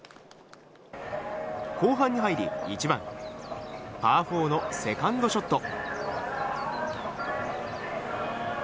後半に入り、１番パー４のセカンドショット。